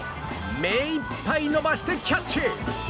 目いっぱい伸ばしてキャッチ！